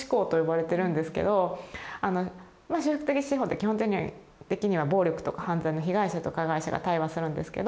修復的司法って基本的には暴力とか犯罪の被害者と加害者が対話するんですけど。